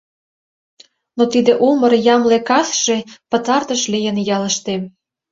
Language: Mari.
Но тиде умыр, ямле касше Пытартыш лийын ялыштем.